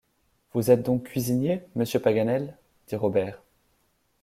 Vous êtes donc cuisinier, monsieur Paganel? dit Robert.